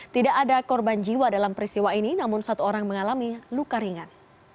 tidak ada korban jiwa dalam peristiwa ini namun satu orang mengalami luka ringan